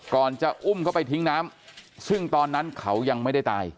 ก่อนจะอุ้มเขาไปทิ้งน้ำซึ่งตอนนั้นเขายังไม่ได้ตาย